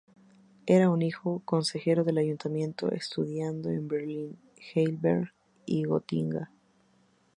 Era hijo de un consejero del Ayuntamiento, estudiando en Berlín, Heidelberg y Gotinga.